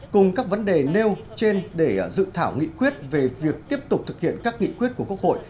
cùng các vấn đề nêu trên để dự thảo nghị quyết về việc tiếp tục thực hiện các nghị quyết của quốc hội